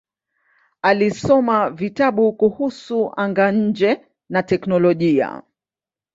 Alisoma vitabu kuhusu anga-nje na teknolojia.